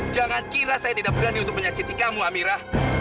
jangan kira saya tidak berani untuk menyakiti kamu amirah